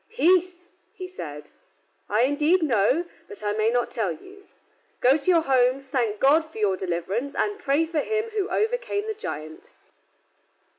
"Peace," he said, "I indeed know, but I may not tell you. Go to your homes, thank God for your deliverance, and pray for him who overcame the giant."